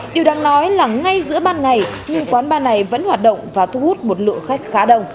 điều đang nói là ngay giữa ban ngày nhưng quán bar này vẫn hoạt động và thu hút một lượng khách khá đông